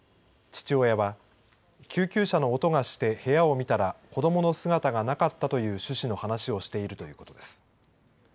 父親は救急車の音がして部屋を見たら子どもの姿がなかったという趣旨の話をしているということです。